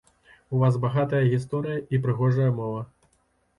У вас багатая гісторыя і прыгожая мова.